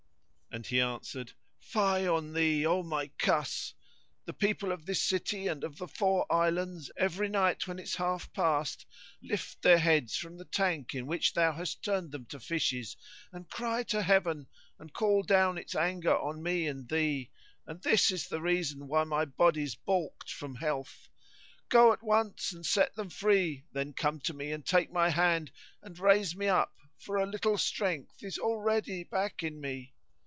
And he answered, "Fie on thee, O my cuss! The people of this city and of the four islands every night when it's half passed lift their heads from the tank in which thou hast turned them to fishes and cry to Heaven and call down its anger on me and thee; and this is the reason why my body's baulked from health. Go at once and set them free then come to me and take my hand, and raise me up, for a little strength is already back in me."